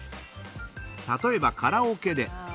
例えば、カラオケで。